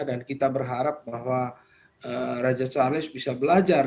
dan kita berharap bahwa raja charles bisa belajar